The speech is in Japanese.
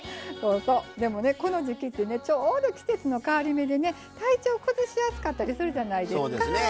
そうそうでもねこの時期ってねちょうど季節の変わり目でね体調を崩しやすかったりするじゃないですか。